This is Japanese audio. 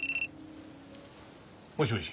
もしもし？